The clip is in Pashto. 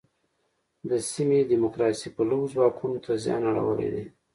د سیمې دیموکراسي پلوو ځواکونو ته زیان اړولی دی.